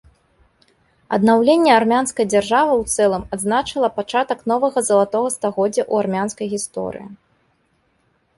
Аднаўленне армянскай дзяржавы ў цэлым адзначыла пачатак новага залатога стагоддзя ў армянскай гісторыі.